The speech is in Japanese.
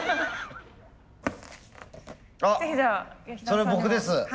それ僕です。